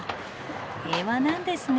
平和なんですね。